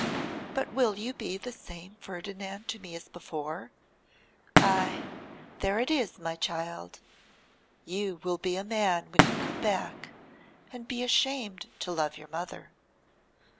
'But will you be the same Ferdinand to me as before? Ay! There it is, my child. You will be a man when you come back, and be ashamed to love your mother.